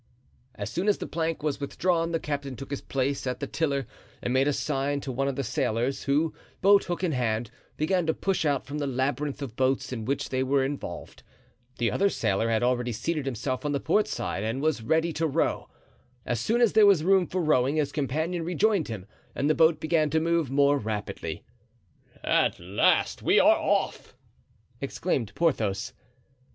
As soon as the plank was withdrawn the captain took his place at the tiller and made a sign to one of the sailors, who, boat hook in hand, began to push out from the labyrinth of boats in which they were involved. The other sailor had already seated himself on the port side and was ready to row. As soon as there was room for rowing, his companion rejoined him and the boat began to move more rapidly. "At last we are off!" exclaimed Porthos.